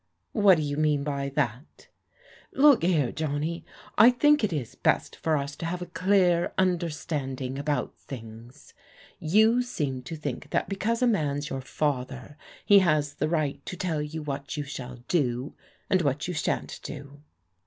" What do you mean by that? "" Look here, Johnny, I think it is best for us to have a dear understanding about things. You seem to think diat because a man's your father he has the right to tell you what you shall do, and what you shan't do."